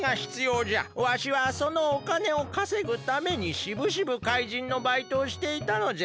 わしはそのおかねをかせぐためにしぶしぶかいじんのバイトをしていたのじゃ。